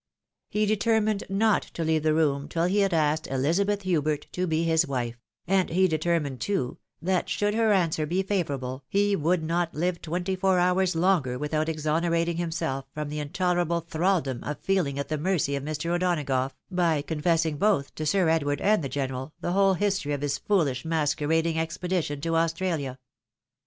He determined not to leave the 3G2 THE WIDOW MAKRIED. room till he had asked Elizabeth Hubert to be his wife — and he determined, too, that should her answer be favourable, he would not live twenty fom' hours longer without exonerating himself from the intolerable thraldom of feeling at the mercy of Mr. O'Donagough, by confessing both to Sir Edward and the genei'al the whole history of his foolish masquerading expedition to Australia.